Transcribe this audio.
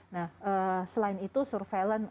nah selain itu surveillance